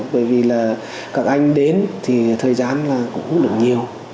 bởi vì các anh đến thì thời gian cũng đủ nhiều